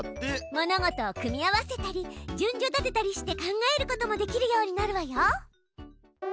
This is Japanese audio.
物事を組み合わせたり順序立てたりして考えることもできるようになるわよ。